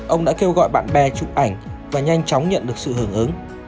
ông đã kêu gọi bạn bè chụp ảnh và nhanh chóng nhận được sự hưởng ứng